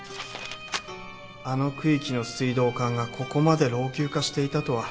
あの区域の水道管がここまで老朽化していたとは。